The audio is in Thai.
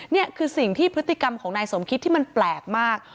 นี่คือสิ่งที่พฤติกรรมของนายสมคิดที่มันแปลกมาก